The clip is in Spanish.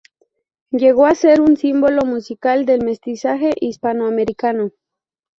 Llegó a ser un símbolo musical del mestizaje hispanoamericano.